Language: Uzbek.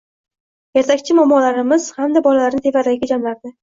Ertakchi momolarimiz hamda bolalarni tevaragiga jamlardi.